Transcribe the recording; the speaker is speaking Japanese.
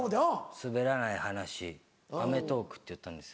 『すべらない話』『アメトーーク！』って言ったんです。